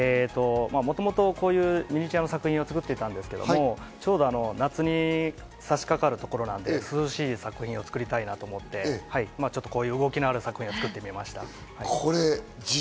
もともとミニチュアの作品を作っていたんですけど、ちょうど夏にさしかかるところなんで、涼しい作品を作りたいなと思って、こういう動きのある作品を作ってみました。